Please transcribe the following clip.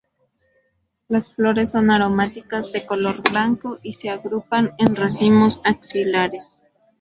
Las flores son aromáticas de color blanco y se agrupan en racimos axilares.